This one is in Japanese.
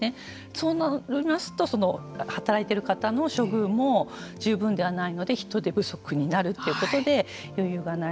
そうなりますと働いている方の処遇も十分ではないので人手不足になるということで余裕がない。